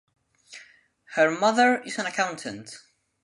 Her mother is an accountant.